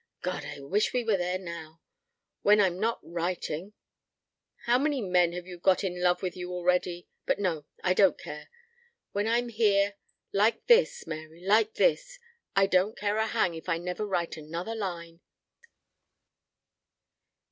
"God! I wish we were there now. When I'm not writing ! How many men have you got in love with you already? But no. I don't care. When I'm here like this, Mary, like this I don't care a hang if I never write another line."